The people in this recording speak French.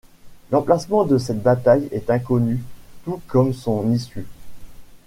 L'emplacement de cette bataille est inconnu, tout comme son issue.